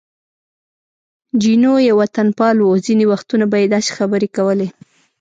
جینو یو وطنپال و، ځینې وختونه به یې داسې خبرې کولې.